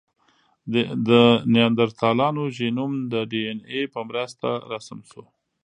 د نیاندرتالانو ژینوم د ډياېناې په مرسته رسم شو.